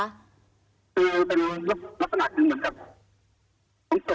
คือเป็นลักษณะที่เหมือนกับ